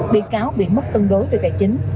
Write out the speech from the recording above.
bị cáo bị mất cân đối về tài chính